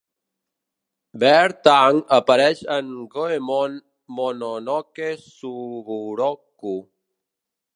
Beartank apareix en Goemon Mononoke Sugoroku.